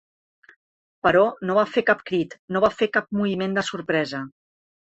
Però no va fer cap crit; no va fer cap moviment de sorpresa.